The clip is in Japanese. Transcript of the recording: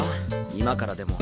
今からでも。